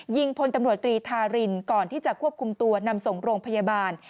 พลตำรวจตรีทารินก่อนที่จะควบคุมตัวนำส่งโรงพยาบาล